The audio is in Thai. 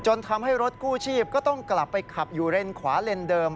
ทำให้รถกู้ชีพก็ต้องกลับไปขับอยู่เลนขวาเลนเดิม